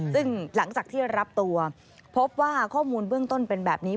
ซึ่งหลังจากที่รับตัวพบว่าข้อมูลเบื้องต้นเป็นแบบนี้